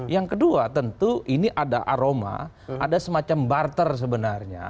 yang kedua tentu ini ada aroma ada semacam barter sebenarnya